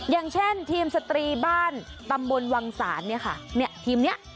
อย่างเช่นทีมสตรีบ้านตำบลวังศาลเนี่ยค่ะเนี่ยทีมนี้